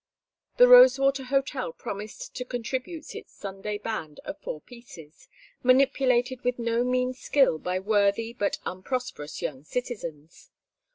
The Rosewater Hotel promised to contribute its Sunday band of four pieces, manipulated with no mean skill by worthy but unprosperous young citizens.